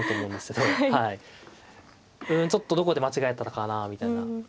うんちょっとどこで間違えたのかなみたいな。